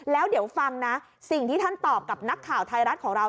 แล้วเดี๋ยวฟังนะสิ่งที่ท่านตอบกับนักข่าวไทยรัฐของเรา